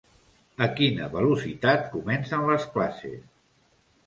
A quina velocitat comences les classes?